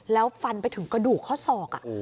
แล้วฟันไปถึงกระดูกข้อศอก